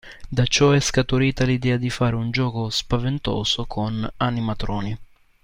Da ciò è scaturita l'idea di fare un gioco "spaventoso" con "animatroni".